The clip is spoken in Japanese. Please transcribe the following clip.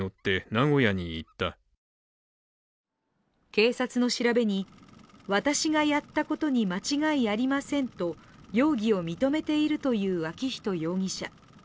警察の調べに私がやったことに間違いありませんと容疑を認めているという昭仁容疑者。